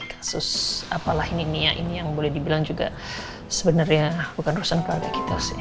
kasus apalah ini nia ini yang boleh dibilang juga sebenarnya bukan urusan keluarga kita sih